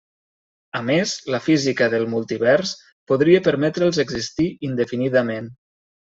A més, la física del multivers podria permetre'ls existir indefinidament.